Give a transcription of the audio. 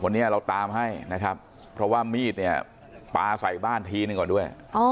วันนี้เราตามให้นะครับเพราะว่ามีดเนี่ยปลาใส่บ้านทีหนึ่งก่อนด้วย